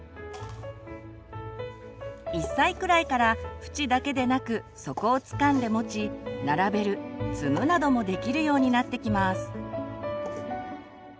１歳くらいから縁だけでなく底をつかんで持ち並べる積むなどもできるようになってきます。